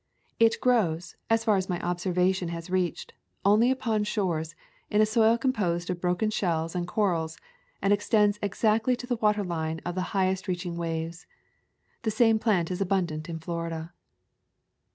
It grows, as far as my obser vation has reached, only upon shores, in a soil composed of broken shells and corals, and ex tends exactly to the water line of the highest reaching waves. The same plant is abundant in Florida.